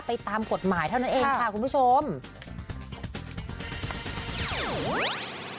ตามกฎหมายเท่านั้นเองค่ะคุณผู้ชม